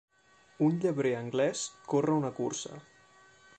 Un llebrer anglès corre una cursa.